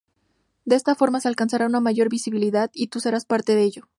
De esta forma se alcanzará una mayor visibilidad y tú serás parte de ello.